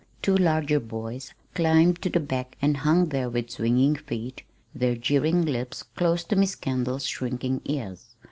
Two larger boys climbed to the back and hung there with swinging feet, their jeering lips close to Miss Kendall's shrinking ears.